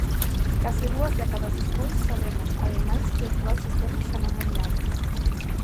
Case dúas décadas despois sabemos, ademais, que o actual sistema xa non é viable.